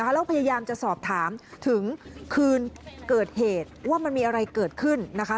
แล้วพยายามจะสอบถามถึงคืนเกิดเหตุว่ามันมีอะไรเกิดขึ้นนะคะ